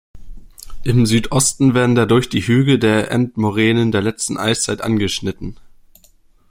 Im Südosten werden dadurch die Hügel der Endmoränen der letzten Eiszeit angeschnitten.